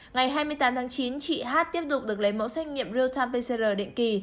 ngày hai mươi tám tháng chín chị h tiếp tục được lấy mẫu xét nghiệm real time pcr định kỳ